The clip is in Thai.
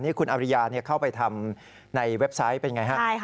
นี่คุณอาริยาเข้าไปทำในเว็บไซต์เป็นไงฮะ